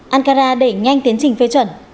ankara đẩy nhanh tiến trình phê chuẩn